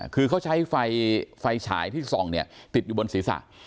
คือเขาใช้ไฟฉายที่ส่องเนี่ยติดอยู่บนศีรษะ